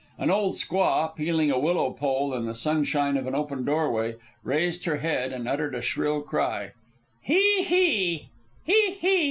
An old squaw, peeling a willow pole in the sunshine of an open doorway, raised her head and uttered a shrill cry. "Hee Hee!